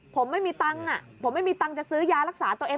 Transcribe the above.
ผมไม่มีตังค์จะซื้อยารักษาตัวเอง